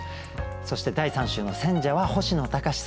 そして第３週の選者は星野高士さんです。